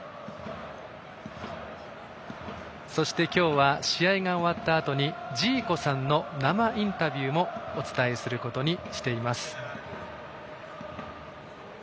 そして、今日は試合が終わったあとにジーコさんの生インタビューもお伝えすることにしています。